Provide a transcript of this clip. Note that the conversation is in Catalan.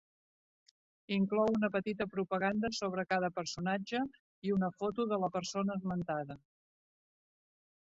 Inclou una petita propaganda sobre cada personatge i una foto de la persona esmentada.